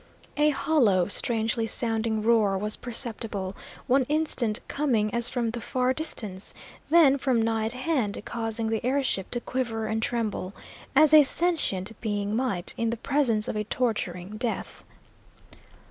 A hollow, strangely sounding roar was perceptible; one instant coming as from the far distance, then from nigh at hand, causing the air ship to quiver and tremble, as a sentient being might in the presence of a torturing death.